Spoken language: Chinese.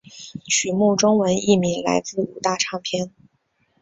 曲目中文译名来自五大唱片。